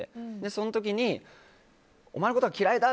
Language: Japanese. その時にお前のことが嫌いだ！